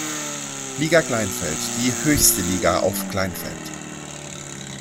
Liga Kleinfeld, die höchste Liga auf Kleinfeld.